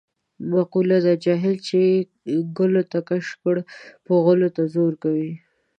مقوله ده: جاهل چې ګلوته کش کوې دی به غولو ته زور کوي.